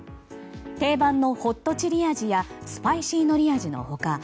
定番のホットチリ味やスパイシーのり味の他